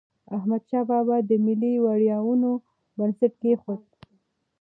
احمدشاه بابا د ملي ویاړونو بنسټ کېښود.